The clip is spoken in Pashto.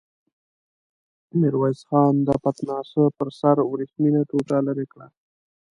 ميرويس خان د پتناسه پر سر ورېښمينه ټوټه ليرې کړه.